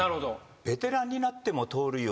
ベテランになっても盗塁王。